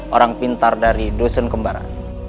orang pintar dari dusun kembaran